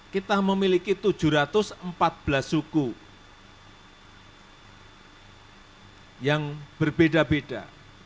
kita memiliki tujuh ratus empat belas suku yang berbeda beda